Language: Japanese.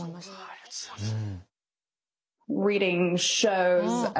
ありがとうございます。